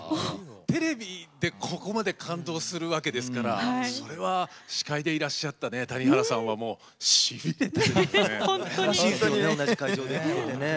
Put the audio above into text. テレビでここまで感動するわけですからそれは司会でいらっしゃった谷原さんは、しびれたでしょうね。